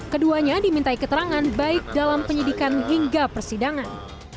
keduanya dimintai keterangan baik dalam penyidikan hingga persidangan